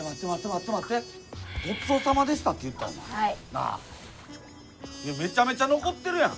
なあめちゃめちゃ残ってるやん。